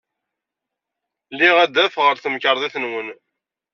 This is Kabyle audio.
Liɣ adaf ɣer temkarḍit-nwen.